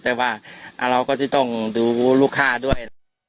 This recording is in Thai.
แต่ว่าเราก็จะต้องดูลูกค้าด้วย